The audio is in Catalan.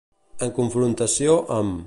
En confrontació amb.